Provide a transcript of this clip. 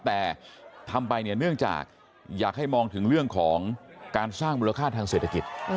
แต่ทำไปเนี่ยเนื่องจากอยากให้มองถึงเรื่องของการสร้างมูลค่าทางเศรษฐกิจ